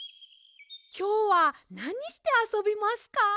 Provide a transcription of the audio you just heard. きょうはなにしてあそびますか？